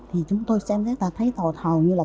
thì chúng tôi xem thấy hầu như là